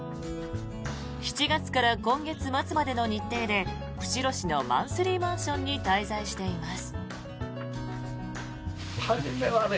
７月から今月末までの日程で釧路市のマンスリーマンションに滞在しています。